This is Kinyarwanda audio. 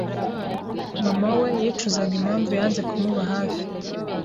Mama we yicuzaga impamvu yanze kumuba hafi